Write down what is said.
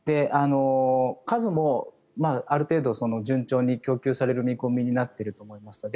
数もある程度順調に供給される見込みになっていると思いますので。